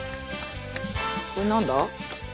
これ何だ？